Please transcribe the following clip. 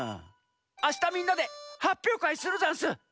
あしたみんなではっぴょうかいするざんす！